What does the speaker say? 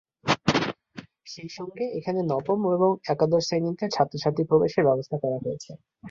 সেই সঙ্গে, এখানে নবম এবং একাদশ শ্রেণীতে ছাত্র-ছাত্রীর প্রবেশের ব্যবস্থা করা হয়েছে।